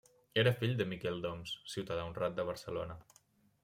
Era fill de Miquel d'Oms, ciutadà honrat de Barcelona.